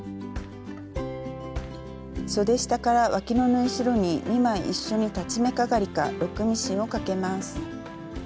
そで下からわきの縫い代に２枚一緒に裁ち目かがりかロックミシンをかけます。